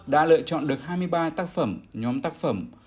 đã lựa chọn được hai mươi ba tác phẩm nhóm tác phẩm